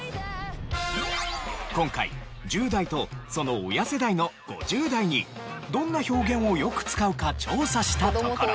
今回１０代とその親世代の５０代にどんな表現をよく使うか調査したところ。